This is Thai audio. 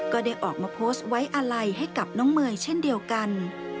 ก็ได้ออกมาโพสต์ไว้อาลัยให้กับน้องเมย์เช่นเดียวกัน